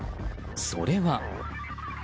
それは。